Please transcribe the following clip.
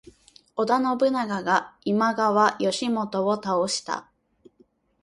織田信長が今川義元を倒した。